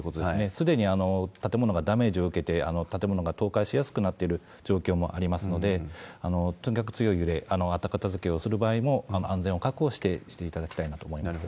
すでに建物がダメージを受けて、建物が倒壊しやすくなっている状況もありますので、とにかく強い揺れ、後片づけをする場合も、安全を確保して、していただきたいなと思います。